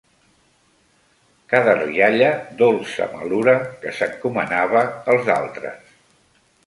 Cada rialla dolça malura que s'encomanava als altres.